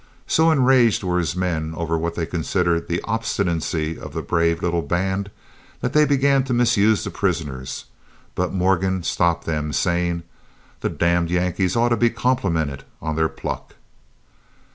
So enraged were his men over what they considered the obstinacy of the brave little band, that they began to misuse the prisoners, but Morgan stopped them, saying: "The damned Yankees ought to be complimented on their pluck."